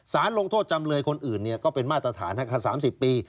ลงโทษจำเลยคนอื่นก็เป็นมาตรฐาน๓๐ปี